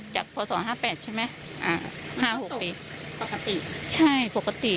พศห้าแปดใช่ไหมอ่าห้าหกปีปกติใช่ปกติ